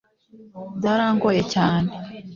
byarangoye cyane